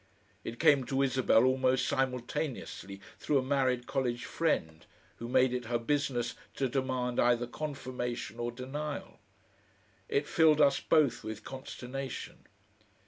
It came to Isabel almost simultaneously through a married college friend, who made it her business to demand either confirmation or denial. It filled us both with consternation.